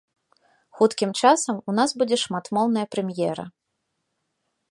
Хуткім часам у нас будзе шматмоўная прэм'ера.